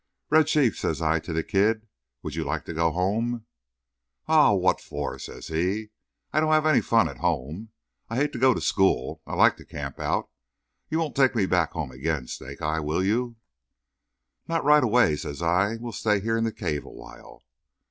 "Red Chief," says I to the kid, "would you like to go home?" "Aw, what for?" says he. "I don't have any fun at home. I hate to go to school. I like to camp out. You won't take me back home again, Snake eye, will you?" "Not right away," says I. "We'll stay here in the cave a while."